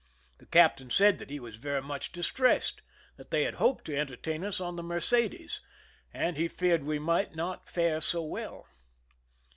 The captain said that he was very much distressed— that they had hoped to en tertain us on the Mercedes^ and he feared we might not fare so well.